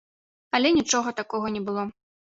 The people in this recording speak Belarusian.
Але нічога такога не было.